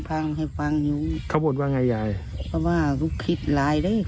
ก็เลยน้อยใจเรื่องนี้